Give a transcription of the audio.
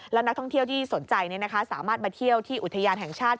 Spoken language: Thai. และนักท่องเที่ยวที่สนใจสามารถมาเที่ยวที่อุทยานแห่งชาติ